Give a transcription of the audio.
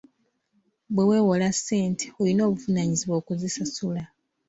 Bwe weewola ssente, olina obuvunaanyizibwa okuzisasula.